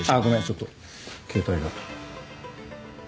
ちょっと携帯が。